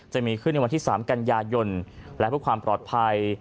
จะมีขึ้นในวันที่๓กันยายนและเพื่อความปลอดภัย